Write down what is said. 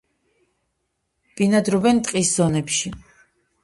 ბინადრობენ ტყის ზონებში.